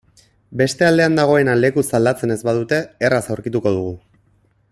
Beste aldean dagoena lekuz aldatzen ez badute erraz aurkituko dugu.